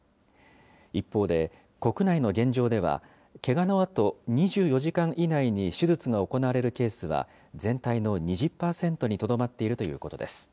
一方で国内の現状では、けがのあと２４時間以内に手術が行われるケースは、全体の２０％にとどまっているということです。